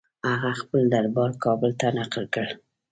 هغه خپل دربار کابل ته نقل کړ.